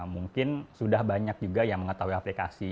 mungkin sudah banyak juga yang mengetahui aplikasi